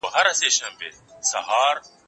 زه بايد ليکنې وکړم؟